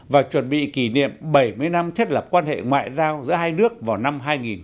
và chuẩn bị kỷ niệm bảy mươi năm thiết lập quan hệ ngoại giao giữa hai nước vào năm hai nghìn hai mươi